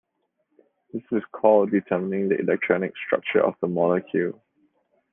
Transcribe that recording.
This is called determining the electronic structure of the molecule.